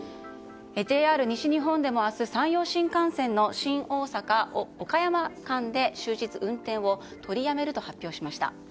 ＪＲ西日本でも明日山陽新幹線の新大阪岡山間で終日、運転を取りやめると発表しました。